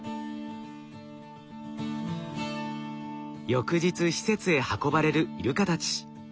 翌日施設へ運ばれるイルカたち。